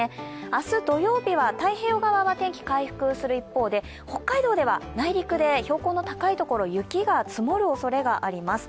明日土曜日は太平洋側は天気回復する一方で北海道では内陸で標高の高いところ、雪が積もるおそれがあります。